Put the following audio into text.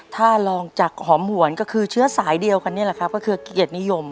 ถ้าลองจากหอมหวนก็คือเชื้อสายเดียวกันนี่แหละครับก็คือเกียรตินิยม